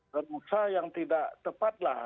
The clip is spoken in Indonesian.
kerusaha yang tidak tepat lah